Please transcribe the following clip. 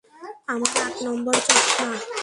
আমার আট নম্বর চশমা!